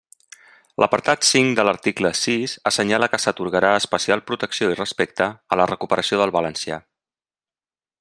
L'apartat cinc de l'article sis assenyala que s'atorgarà especial protecció i respecte a la recuperació del valencià.